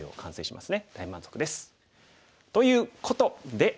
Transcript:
大満足です。ということで。